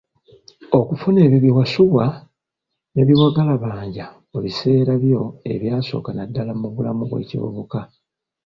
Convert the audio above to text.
Okufuna ebyo bye wasubwa ne byewagalabanja mu biseera byo ebyasooka naddala mu bulamu bw'ekivubuka.